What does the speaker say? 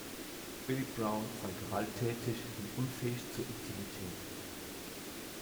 Billy Brown sei gewalttätig und unfähig zur Intimität.